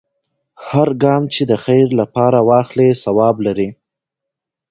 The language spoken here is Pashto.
هر ګام چې د خیر لپاره واخلې، ثواب لري.